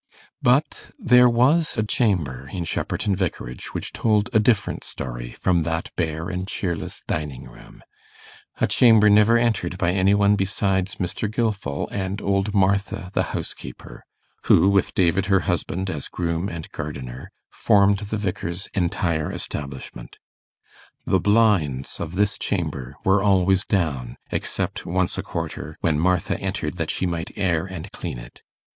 But there was a chamber in Shepperton Vicarage which told a different story from that bare and cheerless dining room a chamber never entered by any one besides Mr. Gilfil and old Martha the housekeeper, who, with David her husband as groom and gardener, formed the Vicar's entire establishment. The blinds of this chamber were always down, except once a quarter, when Martha entered that she might air and clean it.